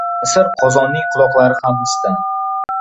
• Mis qozonning quloqlari ham misdan.